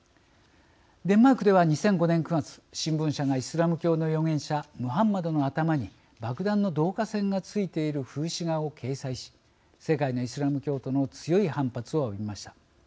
デンマークでは２００５年９月、新聞社がイスラム教の預言者ムハンマドの頭に爆弾の導火線がついている風刺画を掲載し世界のイスラム教徒の強い反発を浴びました。